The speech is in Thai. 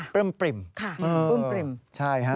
ปรื้มปริ่มค่ะปรื้มปริ่ม